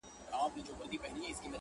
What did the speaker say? خوله یې خلاصه دواړي سترګي یې ژړاندي!.